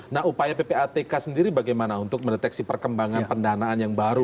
nah upaya ppatk sendiri bagaimana untuk mendeteksi perkembangan pendanaan yang baru